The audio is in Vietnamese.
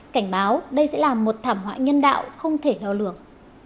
cảnh báo đây sẽ là một thảm họa nhân đạo không thể lo lượng